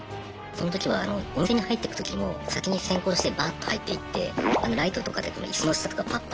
その時はあのお店に入ってく時も先に先行してバッと入っていってライトとかで椅子の下とかパッパ